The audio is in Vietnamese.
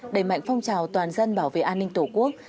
đẩy mạnh phong trào toàn dân bảo vệ an ninh tổ quốc